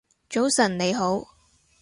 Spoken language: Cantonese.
早晨你好